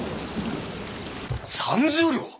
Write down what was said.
３０両！？